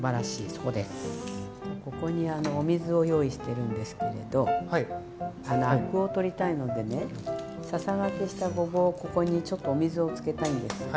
ここにお水を用意してるんですけれどアクをとりたいのでねささがきしたごぼうをここにちょっとお水をつけたいんです。